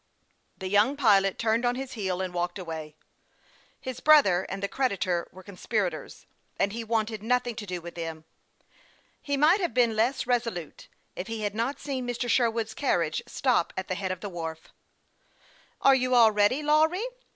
The young pilot turned on his heel and walked away. His brother and the creditor were conspira tors, and he wanted nothing to do with them. He might have been less resolute, if he had not seen Mr. Sherwood's carriage stop at the head of the wharf. " Are you all ready, Lawry ?